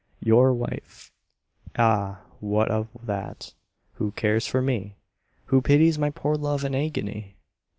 Your wife? Ah, what of that, who cares for me? Who pities my poor love and agony?